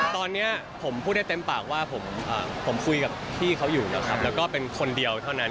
ตอนนี้ผมพูดได้เต็มปากว่าผมคุยกับพี่เขาอยู่นะครับแล้วก็เป็นคนเดียวเท่านั้น